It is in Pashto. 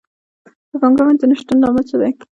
د پانګونې د نه شتون لامل څه دی؟